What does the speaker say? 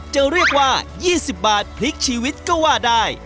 จะเรียกว่า๒๐บาทพลิกชีวิตก็ว่าได้